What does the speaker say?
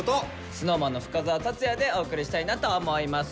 ＳｎｏｗＭａｎの深澤辰哉でお送りしたいなと思います。